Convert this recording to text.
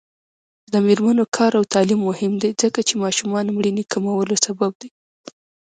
د میرمنو کار او تعلیم مهم دی ځکه چې ماشومانو مړینې کمولو سبب دی.